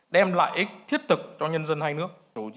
đem lại ích thiết thực cho nhân dân hai nước